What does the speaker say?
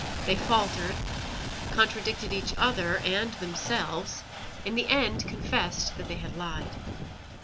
They faltered, contradicted each other and themselves in the end confessed that they had lied.